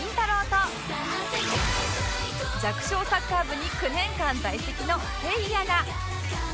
と弱小サッカー部に９年間在籍のせいやが